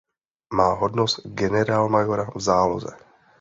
Má hodnost generálmajora v záloze.